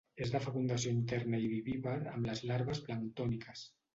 És de fecundació interna i vivípar amb les larves planctòniques.